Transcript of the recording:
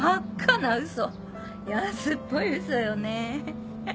安っぽい嘘よね。